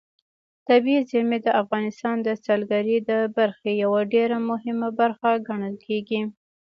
طبیعي زیرمې د افغانستان د سیلګرۍ د برخې یوه ډېره مهمه برخه ګڼل کېږي.